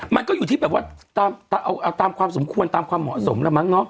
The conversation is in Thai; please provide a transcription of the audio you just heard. มันก็อยู่ที่แบบว่าเอาตามความสมควรตามความเหมาะสมแล้วมั้งเนาะ